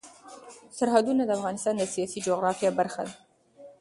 سرحدونه د افغانستان د سیاسي جغرافیه برخه ده.